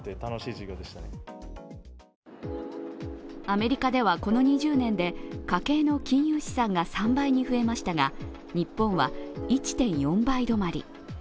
アメリカではこの２０年で家計の金融資産が３倍に増えましたが、日本は１．４倍止まり。